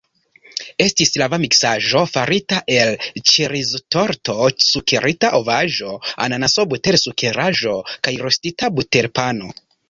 Estis rava miksaĵo farita el ĉeriztorto, sukerita ovaĵo, ananaso, butersukeraĵo kaj rostita buterpano.